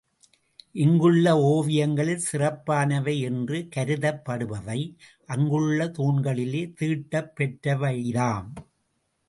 இங்குள்ள ஓவியங்களில் சிறப்பானவை என்று கருதப்படுபவை அங்குள்ள தூண்களிலே தீட்டப்பெற்றவைதாம்.